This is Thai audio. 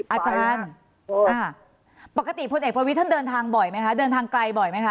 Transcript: อาจารย์ปกติพลเอกประวิทย์ท่านเดินทางบ่อยไหมคะเดินทางไกลบ่อยไหมค